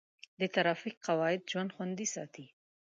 د ټرافیک قواعد د ژوند خوندي ساتي.